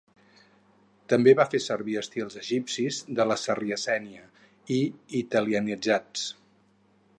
També va fer servir estils egipcis, de la sarracènia i italianitzants.